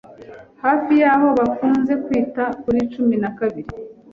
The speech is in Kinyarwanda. Hafi y’aho bakunze kwita kuri cumi na kabiri